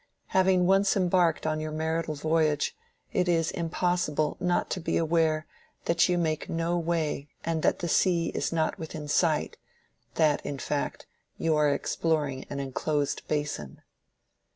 Having once embarked on your marital voyage, it is impossible not to be aware that you make no way and that the sea is not within sight—that, in fact, you are exploring an enclosed basin.